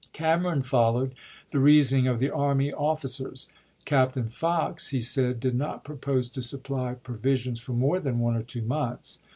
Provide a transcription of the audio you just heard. Cameron followed the reasoning of the army officers. Captain Fox, he said, did not propose to supply provisions for more than one or two months.